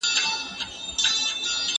بازاريانو به له پخوا ساعتونه پلورلي وي.